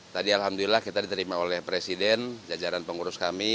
tadi alhamdulillah kita diterima oleh presiden jajaran pengurus kami